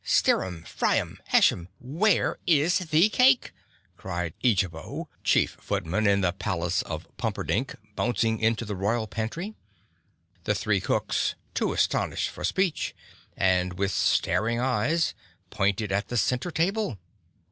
Stirem, Friem, Hashem, where is the cake?" cried Eejabo, chief footman in the palace of Pumperdink, bouncing into the royal pantry. The three cooks, too astonished for speech, and with staring eyes, pointed to the center table.